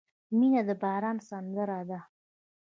• مینه د باران سندره ده.